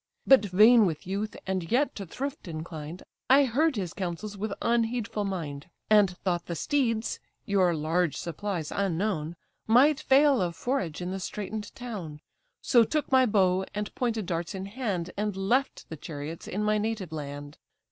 But vain with youth, and yet to thrift inclined, I heard his counsels with unheedful mind, And thought the steeds (your large supplies unknown) Might fail of forage in the straiten'd town; So took my bow and pointed darts in hand And left the chariots in my native land.